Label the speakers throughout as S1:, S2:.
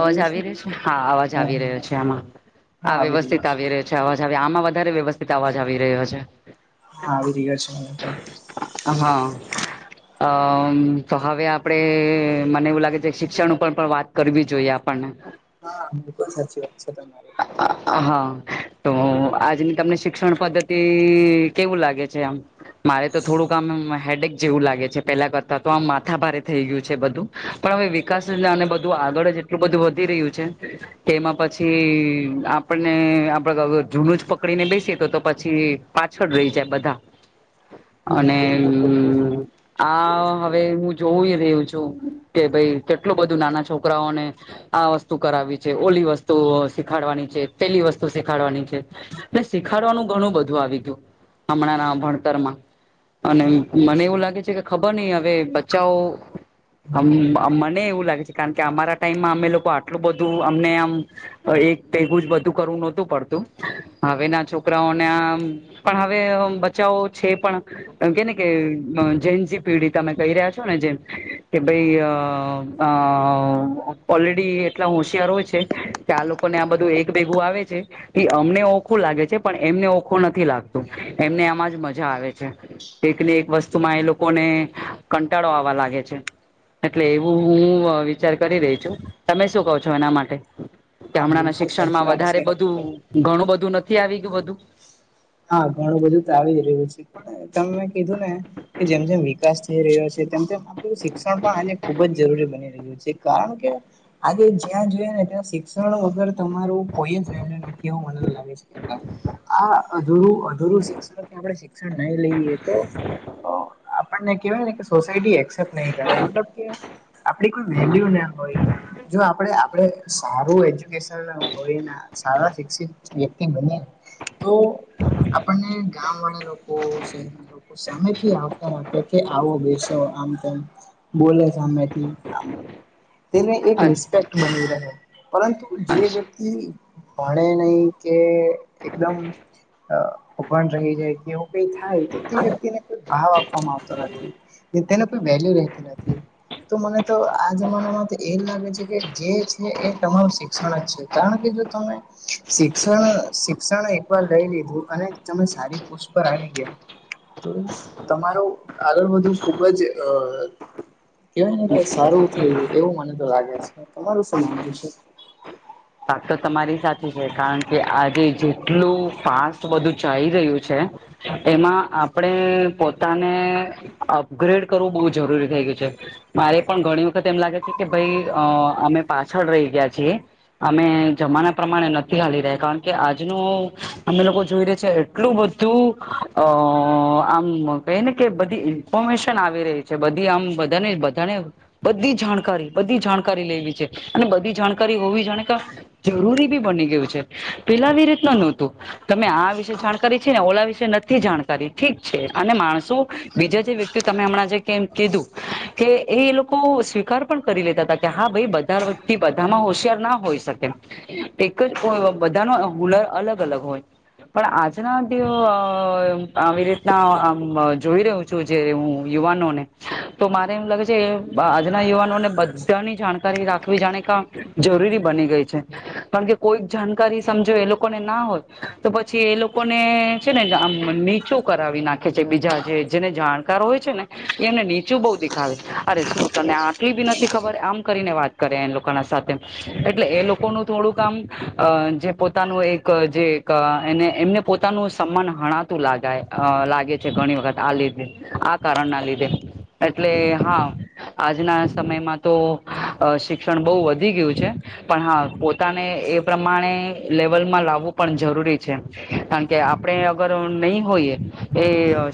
S1: અવાજ આવી રહ્યો છે, હા અવાજ
S2: હા
S1: આવી રહ્યો છે, આમાં
S2: હા હા
S1: આ
S2: આવી
S1: વ્યવસ્થિત આવી રહ્યો છે. અવાજ આવે આમાં વધારે વ્યવસ્થિત અવાજ આવી રહ્યો છે.
S2: હા આવી રહીયે છે.
S1: હા. અમ તો હવે આપડે મને એવું લાગે છે શિક્ષણ ઉપર પણ વાત કરવી જોઈએ આપણને.
S2: હા બિલકુલ સાચી વાત છે તમારી.
S1: હા. તો આજની તમને શિક્ષણ પદ્ધતિ કેવું લાગે છે આમ? મારે તો થોડુંક આમ હેડેક જેવું લાગે છે. પેલા કરતા તો, આમ માથા ભારે થઈ ગયું છે બધું. પણ હવે વિકાસ ને નામે આગળ જ એટલું બધું વધી રહ્યું છે કે એમાં પછી. આપણને આપણે તો હવે જુનું જ પકડી ને બેસીએ તો, તો તો પછી પાછળ રહી જાય બધા.
S2: હા
S1: અને
S2: બિલકુલ
S1: [unintelligible] આ હવે હું જોવુંઇ રહ્યો છું કે ભાઈ કેટલું બધું નાના છોકરાઓને આ વસ્તુ કરાવવી છે, ઓલી વસ્તુ [unintelligible] શીખાડવાની છે, પેલી વસ્તુ શીખાડવાની છે, શીખાડવાનું ઘણું બધું આવી ગયું. હમણાં ના ભણતર માં. અને મને એવું લાગે છે. કે ખબર નઈ હવે બચ્ચાઓ અમ મને એવું લાગે છે, કારણ કે અમારા ટાઈમમાં અમે લોકો આટલું બધું અમને આમ. અ એક ભેગું જ બધું કરવું નહોતું પડતું. હવે ના છોકરાઓને આમ, પણ હવે આમ બચ્ચા ઓ છે પણ એમ કે ને કે અ ઝેન જી પેઢી, તમે કહી રહ્યા છો ને જેમ કે ભાઈ અ અ ઓલરેડી એ એટલા હોશિયાર હોય છે. કે આ લોકોને આ બધું એક ભેગું આવે છે. એ અમને ઓખું લાગે છે, પણ એમને ઓખું નથી લાગતું, એમને આમાં જ મજા આવે છે. એક ને એક વસ્તુમાં એ લોકોને કંટાળો આવવા લાગે છે. એટલે એવું હું અ વિચાર કરી રહી છું, તમે શું કહો છો એના માટે? કે
S2: હા
S1: હમણાંના
S2: બિલકુલ
S1: શિક્ષણ
S2: સાચી
S1: માં
S2: વાત છે
S1: વધારે બધું, ઘણું બધું નથી આવી ગયું બધું.
S2: હા, ઘણું બધું તો આવી રહ્યું છે. પણ તમને કીધું ને કે જેમ જેમ [unintelligible] વિકાસ થઈ રહ્યો છે. તેમ તેમ આપણું શિક્ષણ પણ આજે ખૂબ જ જરૂરી બની રહ્યું છે. કારણ કે આજે જ્યાં જોઈએ ને, ત્યાં શિક્ષણ વગર તમારું કોઈ જ વેલ્યુ નથી એવું મને લાગે છે. આ અધૂરું અધુરું શિક્ષણ કે આપણે શિક્ષણ નહી લઈએ તો તો આપણને કેહેવાય ને કે સોસાયટી એક્સેપ્ટ નહી કરે, મતલબ કે આપડી કોઈ વેલ્યુ ના હોય, જો આપડે આપડે સારું એજ્યુકેશન લેવુ હોયના, સારા શિક્ષિત વ્યક્તિ બને તો. આપણને ગામવાળા લોકો [unintelligible] લોકો સામેથી આવકાર આપે કે, આવો બેસો આમ તેમ. બોલે સામેથી [unintelligible] તેને એક રિસ્પેક્ટ બની રહે પરંતુ જે વ્યક્તિ ભણે નહી કે એકદમ અ અભણ રહી જાય કે એવું કઈ થાય તો તે વ્યક્તિને કોઈ ભાવ આપવામાં આવતો નથી. તેને કોઈ વેલ્યુ રહેતી નથી.
S1: [unintelligible]
S2: તો મને તો આ જમાનામાં તો એ જ લાગે છે કે જે છે એ તમારું શિક્ષણ જ છે કારણ કે જો તમે શિક્ષણ શિક્ષણ એકવાર લઈ લીધુ અને તમે સારી પોસ્ટ પર આવી ગયા. તો તમારું આગળ વધવુ ખુબ જ અ કેવાય ને કે સારું થઈ એવું મને તો લાગે છે તમારું શું માનવું છે?
S1: [unintelligible] તો તમારી સાથે છે કારણ કે આજે જેટલું ફાસ્ટ બધું ચાઇ રહ્યું છે. કે એમાં આપણેે પોતાને અપગ્રેડ કરવું બહુ જરૂરી થઈ ગયું છે. મારે પણ ઘણી વખત એમ લાગે છે કે ભાઈ અ અમે પાછળ રહી ગયા છીએ. અમે જમાના પ્રમાણે નથી હાલી રહ્યા કારણ કે આજનું અમે લોકો જોઈ રહ્યા છે એટલું બધું અ આમ કહે ને કે બધી ઇન્ફોર્મેશન આવી રહી છે. બધી આમ બધાને બધાને. બધી જાણકારી બધી જાણકારી લેવી છે, અને બધી જાણકારી હોવી જાણે જરૂરી બી બની ગયું છે, પેલાવી રીતના નહોતું. તમે આ વિશે જાણકારી છી ને ઓલા વિશે નથી જાણકારી ઠીક છે અને માણસો બીજા જે વ્યક્તિઓ તમે હમણાં જે કેમ કીધું, કે એ એ લોકો સ્વીકાર પણ કરી લેતા હતા કે હા ભાઈ બા કારથી બધામાં હોશિયાર ના હોય. એક જ બધા ન હુનર અલગ અલગ હોય. પણ આજના દિવ આવી રીતનામ જોઈ રહ્યું છે. જે હું યુવાનોને, તો મારે એમ લાગે છે આજના યુવાનો ને બધાની જાણકાર રાખવી જાણે ક જરૂરી બની ગઈ છે. કારણ કે કોઈક જાણકારી સમજો એ લોકોને ના હોય, તો પછી એ લોકોને છે નેમ શુ કરાવી નાખે છે બીજા જે જેને જાણકારો હોય છે ને, એ એમને નીચું બહુ દેખાવે છે, અરે શું અને આટલી બી નથી ખબર આમ કરીને વાત કરે એ લોકો ના સાથે, એટલે એ લોકો થોડું કામ, જે પોતાનું એક જે એમને પોતાનું સમાન હણા લાગાય લાગે છે ઘણી વખત આ લીધે આ કારણ ના લીધે. એટલે હા. આજના સમયમાં તો, શિક્ષણ બહુ વધી ગયું છે, પણ હા. પોતાને એ પ્રમાણે લેવલમાં લાવવું પણ જરૂરી છે, કારણ કે આપણે અગર નહી હોઈએ, એ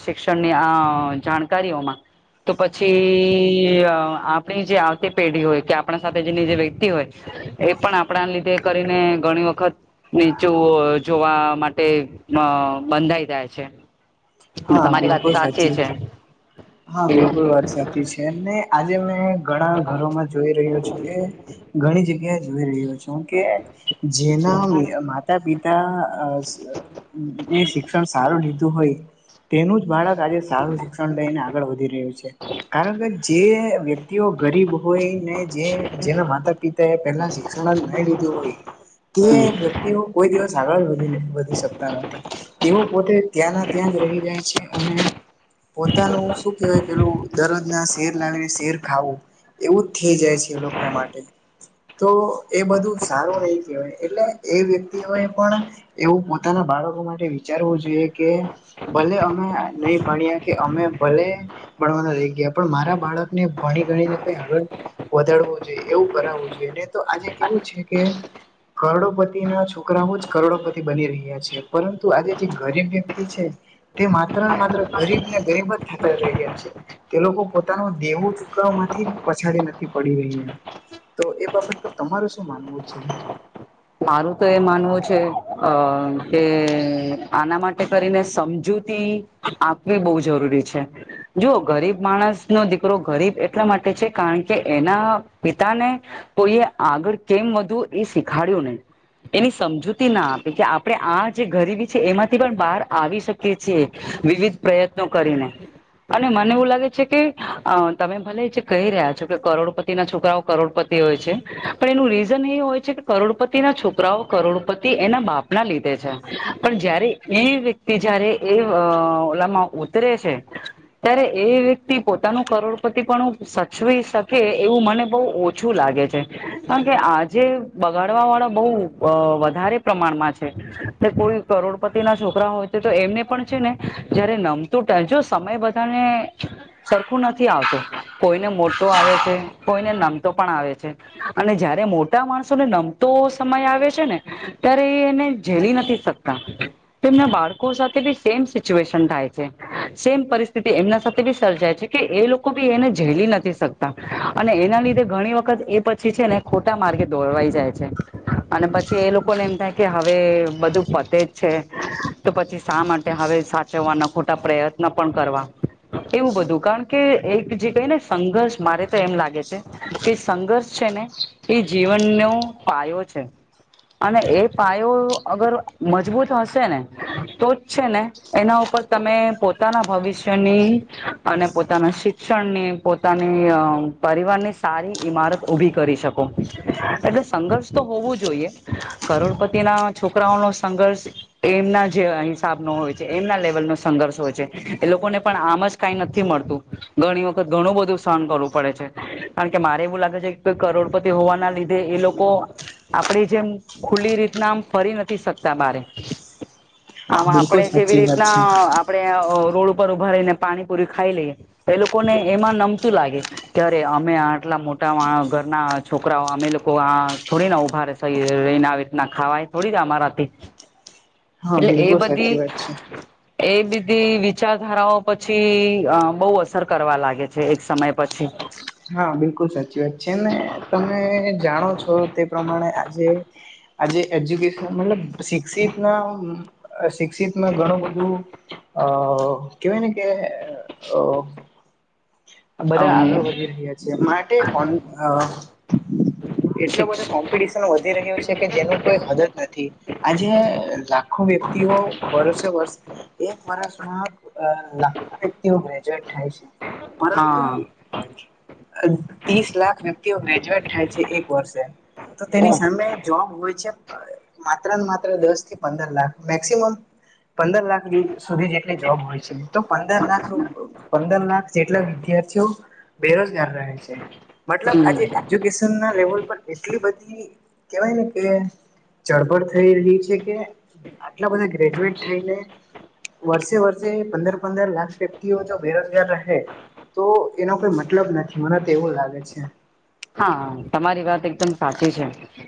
S1: શિક્ષણની આ જાણકારીઓમાં તો પછી આપ આપની જે આવતી પેઢી હોય કે આપણા સાથે જેની જે વ્યક્તિ હોય, એ પણ આપણા લીધે કરીને ઘણી વખત નીચું જોવા માટે બંધાઈ જાય છે.
S2: હા
S1: તમારી વાત
S2: બિલકુલ સાચી
S1: છે
S2: હા, બિલકુલ વાત સાચ આજે મેં ઘણા ઘરોમાં જોઈ રહ્યો છું કે ઘણી જગ્યા જોઈ રહ્યો છું કે, જેના માતા પિતાને શિક્ષણ સારું લીધું હોય, તેનું જ બાળક જે સારું શિક્ષણ લઈને આગળ વધી રહ્યું છે, કારણ કે જે વતિ ગરીબ હોય ને જે જેના માતા પિતા એ પહેલા શિક્ષણ નહી લીધું હોય. તે વ્યક્તિઓ કોઈ દિવસ આગળ વધી વધી શકતા નથી, તેઓ પોતે ત્યાં ત્યાં જ રહી જાય છે અને પોતાનું શું કેહેવાય પેલું દરરોજ ના શેર લાવીને શેર ખાવું. એવું જ થઈ જાય છે એ લોકોના માટે. તો એ બધું સારું નહી કહેવાય એટલે એ વ્યક્તિઓ એ પણ. એવું પોતાના બાળકો માટે વિચારવું જોઈએ કે ભલે અમ અ નહી ભણ્યા કે અમે ભલે ભણવાના રઇ ગયા પણ મારા બાળકને ભણી ગણીને કઈ આગળ વધારવું જોઈએ એવું કરાવવું જોઈએ ને તો આજે કેવું છે કે કરોડોપતિ ના છોકરાઓ જ કરોડોપતિ બની રહ્યા છે પરંતુ આજે જે ગરીબ વ્યક્તિ છે. તે માત્ર ને માત્ર ગરીબ ને ગરીબ જ થતા રહ્યા છે. તે લોકો પોતાનું દેવું ચૂકવા માંથી પછાડી નથી પડી રહ્યા. તો એ બાબત તો તમારે શું માનવું છે?
S1: મારું તો એ માનવું છે અ કે આના માટે કરીને સમજૂતી આપવી બઉ જરૂરી છે. જો ગરીબ માણસનો દીકરો ગરીબ એટલા માટે છે કારણ કે એના પિતાને કોઈએ આગળ કેમ વધવું એ શીખાડ્યું નહીં એની સમજૂતી ના આપે કે આપણે આ જે ગરીબી છે એમાંથી પણ બહાર આવી શક એ છે વિવિધ પ્રયત્નો કરીને અને મને એવું લાગે છે કે અ તમે ભલે જે કહી રહ્યા છો કે કરોડપતિ ના છોકરાઓ કરોડપત તિ હોય છે પણ એનું રીઝન એ હોય છે કે કરોડપત તેના છોકરાઓ કરોડપતિ એના બાપ ના લીધે છે પણ જયારે એ વ્યક્તિ કે જયારે એ ઓલામાં ઉતરે છે. ત્યારે એ વ્યક્તિ પોતાનું કરોડપતિ પણું સાચવી શકે એવું મને બહુ ઓછું લાગે છે. કારણ કે આજે બગાડ વાળા બહુ અ વધારે પ્રમાણમાં છે કે કોઈ કરોડપતિ ના છોકરા હોય તો તો એમને પણ છે ને જયારે નમતું થાય જો સમય બધાને સરખું નથી આવતું કોઈને મોટો આવે છે કોઈને નમ તું પણ આવે છે. અને જયારે મોટા માણસો ને નમ તો સમય આવે છે ને ત્યારે એ એને ઝેલી નથી શકતા તો એમના બાળકો સાથે બી સેમ સિચ્યુએશન થાય છે. સેમ પરિસ્થિતિ એમના સાથે બી સર્જાય છે કે એ લોકો બી એને ઝેલી નથી શક તા અને એના લીધે ઘણી વખત એ પછી છે ને ખોટા માર્ગે દોરવાઈ જાય છે. અને પછી એ લોકોને એમ થાય કે હવે બધું પતે છે. તો પછી શા માટે હવે સાચવવાના ખોટા પ્રયત્ન પણ કરવા એવું બધું કારણ કે એક જે કઈ ને સંઘર્ષ મારે તો એમ લાગે છે કે સંઘર્ષ છે ને એ જીવનનો પાયો છે. અને એ પાયો અગર મજબૂત હશે ને તો જ છે ને એના ઉપર તમે પોતાના ભવિષ્યની અને પોતાના શિક ક્ષણને પોતાની અ પરિવાર ની સારી ઈમારત ઊભી કરી શકો એટલે સંઘર્ષ તો હોવું જોઈએ કરોડપતિ ના છોકરાઓનો સંઘર્ષ એમના જેવા હિસાબ નો હોય છે એમના લેવલનો સંઘર્ષ હોય છે એ લોકોને પણ આમ જ કાઈ નથી મળતું ઘણી વખત ઘણું બધું સહન કરવું પડે છે કારણ કે મારે એવું લાગે છે કોઈ કરોડપતિ હોવાના લીધે એ લોકો કો આપડી જેમ ખુલ્લી રીતના આમ ફરી નથી શકતા બારે
S2: હા
S1: આમ
S2: બિલકુલ
S1: આપણેે જેવી
S2: સાચી વાત
S1: રીતના
S2: છે.
S1: આપણેે અ રોડ ઉપર ઉભા રહીને પાણીપુરી ખાઈ લઈએ એ લોકોને એમાં નમતું લાગે કે અરે અમે આ આટલા મોટા માણ ઘરના છોકરાઓ અમે લોકો આ થોડી ના ઊભા સહિ રહીને આવી રીતના ખાવાય થોડી અમારાથી
S2: હા
S1: એટલે એ
S2: બિલકુલ
S1: બધી
S2: સાચી વાત છે.
S1: એ દીધી વિચારધારાઓ પછી અ બહુ અસર કરવા લાગે છે એક સમય પછી
S2: હા બિલકુલ સાચી વાત છે ને તમે જાણો છો તે પ્રમાણે આજે આજે એજ્યુકેશન મતલબ શિક્ષિત ના શિક્ષિતમાં ઘણું બધું અ કેવાય ને કે અ બધા આગળ
S1: અમ
S2: વધી રહ્યા છે માટે કોન અ એટલો
S1: શિક્ષ
S2: બધો કોમ્પિટિશન વધી રહ્યો છે કે જેનું કોઈ હદ જ નથી. આજે લાખો વ્યક્તિઓ વર્ષે વર્ષ એક વર્ષમાં લાખો અ વ્યક્તિઓ ગ્રેજ્યુએટ થાય છે. પરંતુ
S1: હા
S2: ત્રીસ લાખ વ્યક્તિઓ ગ્રેજ્યુએટ થાય છે એક વર્ષે તો તેની સામે જોબ હોય છે પણ માત્ર ને માત્ર દસ થી પંદર લાખ મેક્સિમ પંદર લાખ ડિયુ. સુધી જેટલી જોબ હોય છે તો પંદર લાખ રૂ પંદર લાખ આટલા વિદ્યાર્થીઓ બેરોજગાર છે મતલબ
S1: હમ
S2: આજે એજ્યુકેશન ના લેવલ પર એટલી બધી. કેવાય ને કે ચળબળ થઈ રહી છે કે આટલા બધા ગ્રેજ્યુએટ થઈને વર્ષે-વર્ષે પંદર-પંદર લાખ વ્યક્તિઓ તો બેરોજગાર રહે. તો એનો કોઈ મતલબ નથી મને તો એવું લાગે છે.
S1: હા તમારી વાત એકદમ સાચી છે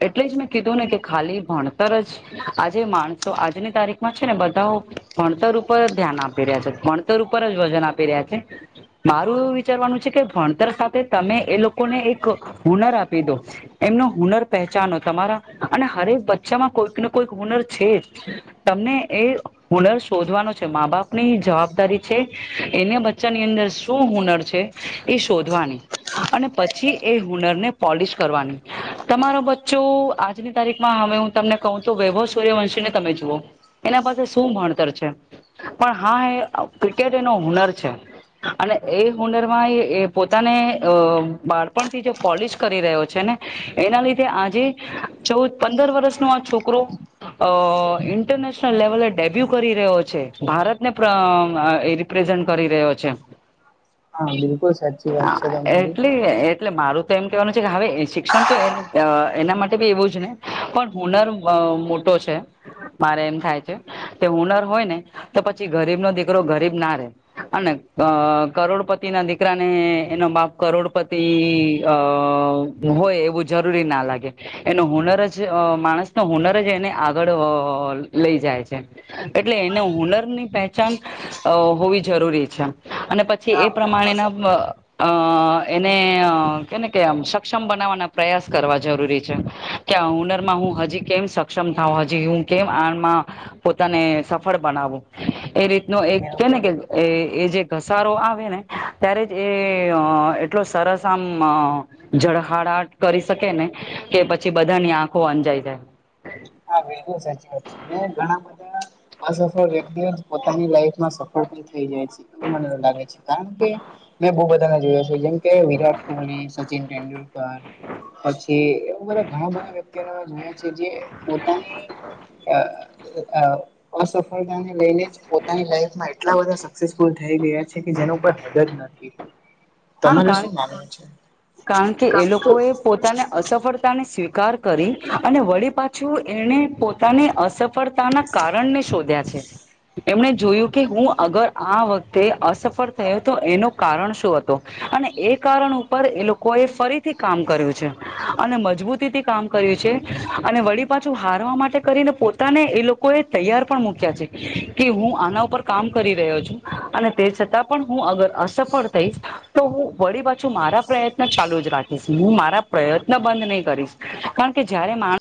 S1: એટલે જ મેં કીધું ને કે ખાલી ભણતર જ આજે માણસો આજની તારીખમાં છે ને બધાઓ ભણતર ઉપર જ ધ્યાન આપી રહ્યા છે ભણતર ઉપર જ વજન આપી રહ્યા છે. મારું એવું વિચારવાનું છે કે ભણતર સાથે તમે એ લોકોને એક હુનર આપી દો. એમનો હુનર પહેચાનો તમારા અને હરેક બચ્ચામાં કોઈકને કોઈક હુનર છે જ. તમને એ હુનર શોધવાનો છે. મા બાપની જવાબદારી છે એને બદ બ્ચા ની અંદર શું હુનર છે એ શોધવાની અને પછી એ હુનર ને પોલિશ કરવાની. તમારો બચ્ચો આજની તારીખમાં હવે હું તમને કહું તો વૈભવ સૂર્યવંશી ને તમે જુઓ એના પાસે શું ભણતર છે. પણ હા એ ક્રિકેટ એનો હુનર છે. અને એ હુનરમાં એ એ પોતાને અ બાળ પણથી જે પોલિશ કરી રહ્યો છે ને એના લીધે આજે ચૌદ પંદર વર્ષ નો આ છોકરો અ ઇન્ટરનેશનલ લેવલે ડેબ્યુ કરી રહ્યો છે ભારતને પ્ર અ પ્રઝન્ટ કરી રહ્યો છે.
S2: હા બિલકુલ સાચી વાત છે
S1: હા
S2: તમારી.
S1: એટલે એટલે મારું તો એમ કહેવાનું છે કે હવે શિક્ષણ તો અ એના માટે બી એવું જ નહી પણ હુનર અ મોટુ મોટો છે મારે એમ થાય છે તે હુનર હોય ને તો પછી ગરીબનો દીકરો ગરીબ ના રે. અને અ કરોડપતિના દીકરા ને એનો બાપ કરોડપતિ ઇ અ હોય એવું જરૂરી ના લાગે. એનો હુનર જ અ માણસનો હુનર જ એને આગળ અ લઈ જાય છે. એટલે એને હુનર ની પહેચાન અ હોવી જરૂરી છે અને પછી
S2: હા
S1: એ
S2: બિલકુલ
S1: પ્રમાણેના વ એના એને કેને કેમ સક્ષમ બનાવવાના પ્રયાસ કરવા જરૂરી છે. કે આ હુનરમાં હું હજી કેમ સક્ષમ થાઉ હજી હું કેમ આમાં પોતાને સફળ બનાવો. એ રીતનો એક
S2: સર.
S1: કેને કે એ જે ઘસારો આવે ને ત્યારે જ એ અ એટ એટલો સરસ આમ જઝળહાળહાટ કરી શકે ને કે પછી બધાની આંખો અંજાઈ જાય.
S2: હા બિલકુલ સાચી વાત છે મે ઘણા બધા અસફળ વ્યક્તિઓ જ પોતાની લાઈફમાં સફળ પણ થઈ જાય છે એવું મને લાગે છે કારણ કે મેં બહુ બધાને જોયા છે જેમ કે વિરાટ કોહલી, સચિ સચિન તેંડુલકર પછી એ બધા ઘણા બધા વ્યક્તિઓને જોયા છે જે પોતાની અ અ અસફળતાને લઈને જ. પોતાની લાઈફમાં એટલા બધા સક્સેસફુલ થઈ ગયા છે કે જેનું કોઇ હદ જ નથી.
S1: હા કાણ
S2: તમારે
S1: કારણ
S2: શું માનવું છે
S1: કારણ કે એ લોકો એ પોતાને અસફળ અસફળતાને સ્વીકાર કરી અને વળી પાછું એને પોતાની અસફ સફળતાના કારણ ને શોધ્યા છે. એમણે જોયું કે હું અગર આ વખતે અસફળ થયો તો એનું કારણ શું હત અને એ કારણ ઉપર એ લોકો એ ફરીથી કામ કર્યું છે. અને મજબૂતીથી કામ કર્યું છે અને વળી પાછું હારવા માટે કરીને પોતાને એ લોકો એ તૈયાર પણ મૂક્યા છે કે હું આના ઉપર કામ કરી રહ્યો છું અને તે છતાં પણ હું અગર અસફળ થઈશ. તો હું વળી પાછુ મારા પ્રયત્ન ચાલુ જ રાખીશ હું મારા પ્રયત્ન બંધ નહી કરીશ. કારણ કે જયારે માણ.